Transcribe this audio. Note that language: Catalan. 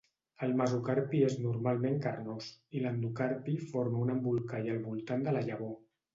El mesocarpi és normalment carnós, i l'endocarpi forma un embolcall al voltant de la llavor.